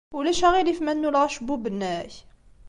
Ulac aɣilif ma nnuleɣ acebbub-nnek?